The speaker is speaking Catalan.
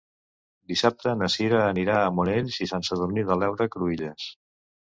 Dissabte na Cira anirà a Monells i Sant Sadurní de l'Heura Cruïlles.